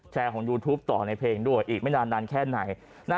ของยูทูปต่อในเพลงด้วยอีกไม่นานนานแค่ไหน